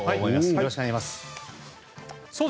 よろしくお願いします。